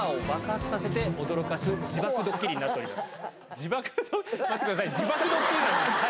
自爆ドッキリになっております。